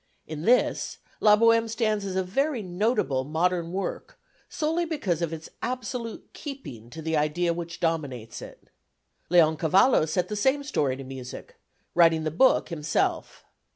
In this La Bohème stands as a very notable modern work solely because of its absolute keeping to the idea which dominates it. Leoncavallo set the same story to music, writing the book himself.